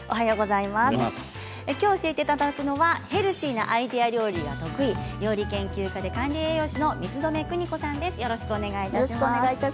きょう教えていただくのはヘルシーなアイデア料理が得意料理研究家で管理栄養士の満留邦子さんです。